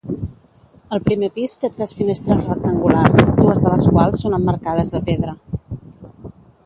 El primer pis té tres finestres rectangulars, dues de les quals són emmarcades de pedra.